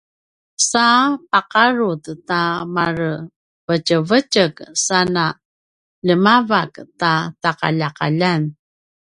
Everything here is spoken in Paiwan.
sa paqarut ta marevetjevetjek sana ljemavak ta taqaljaqaljan